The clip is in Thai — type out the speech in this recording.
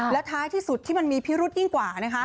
แล้วท้ายที่สุดที่มันมีพิรุษยิ่งกว่านะคะ